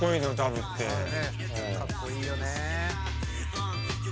かっこいいよね！